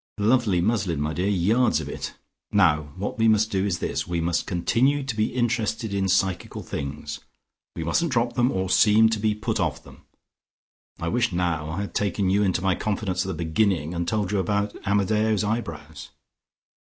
Lovely muslin, my dear: yards of it. Now what we must do is this: we must continue to be interested in psychical things; we mustn't drop them, or seem to be put off them. I wish now I had taken you into my confidence at the beginning and told you about Amadeo's eyebrows."